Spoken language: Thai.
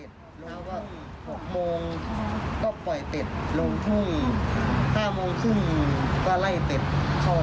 ได้เจ็บเท่าแล้วตอนกลางคืนก็ไม่ได้หลับนิดหน่อยครับ